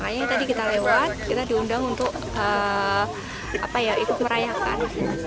makanya tadi kita lewat kita diundang untuk ikut merayakan